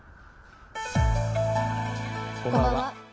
こんばんは。